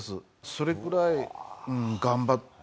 それくらい頑張った。